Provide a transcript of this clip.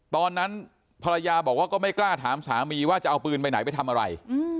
ตอนนั้นภรรยาบอกว่าก็ไม่กล้าถามสามีว่าจะเอาปืนไปไหนไปทำอะไร